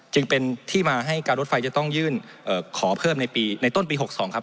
จึงเป็นที่มาให้การรถไฟจะต้องยื่นขอเพิ่มในปีในต้นปี๖๒ครับ